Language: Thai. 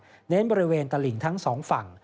น้ำป่าศักดิ์เน้นบริเวณตลิ่งทั้งสองฝั่ง